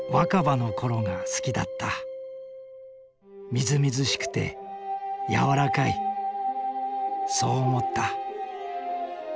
みずみずしくて柔らかいそう思った。